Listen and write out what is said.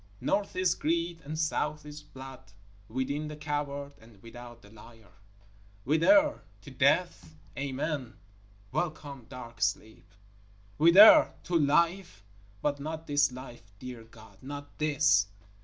North is greed and South is blood; within, the coward, and without, the liar. Whither? To death? Amen! Welcome dark sleep! Whither? To life? But not this life, dear God, not this.